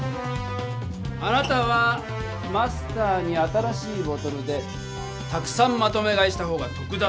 あなたはマスターに新しいボトルでたくさんまとめ買いした方がとくだと持ちかけた。